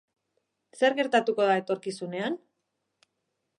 Zer gertatuko da etorkizunean?